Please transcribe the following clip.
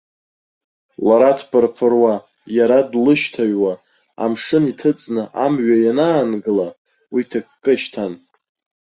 Лара дԥырԥыруа, иара длышьҭаҩуа, амшын иҭыҵны, амҩа ианаангыла, уи ҭыкка ишьҭан.